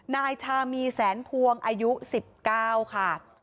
นายชามีแสนพวงอายุ๑๙ค่ะ